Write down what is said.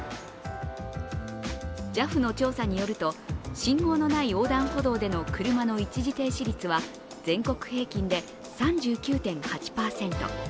ＪＡＦの調査によると信号のない横断歩道での車の一時停止率は全国平均で３９．８％。